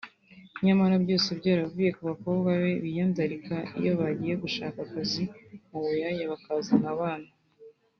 nyamara byose byaravuye ku bakobwa be biyandarika iyo bagiye gushaka akazi mu buyaya bakazana abana